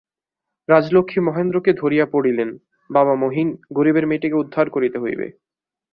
রাজলক্ষ্মী মহেন্দ্রকে ধরিয়া পড়িলেন, বাবা মহিন, গরিবের মেয়েটিকে উদ্ধার করিতে হইবে।